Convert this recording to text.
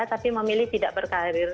tapi memilih tidak berkarir